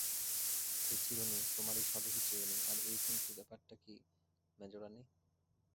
এই চিরুনি তোমারই স্বদেশী চিরুনি, আর এই– কিন্তু ব্যাপারটা কী মেজোরানী?